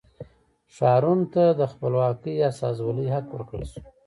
ښارونو ته د خپلواکې استازولۍ حق ورکړل شو.